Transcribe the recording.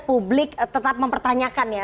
publik tetap mempertanyakan ya